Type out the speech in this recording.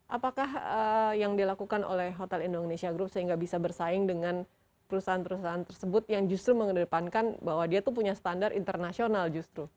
apakah yang dilakukan oleh hotel indonesia group sehingga bisa bersaing dengan perusahaan perusahaan tersebut yang justru mengedepankan bahwa dia tuh punya standar internasional justru